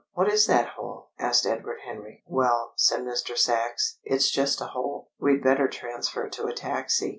"What is that hole?" asked Edward Henry. "Well," said Mr. Sachs. "It's just a hole. We'd better transfer to a taxi."